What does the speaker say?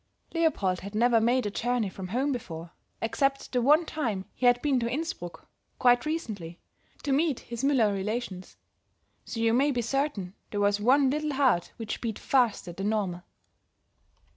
"] Leopold had never made a journey from home before, except the one time he had been to Innsbruck, quite recently, to meet his Müller relations; so you may be certain there was one little heart which beat faster than normal.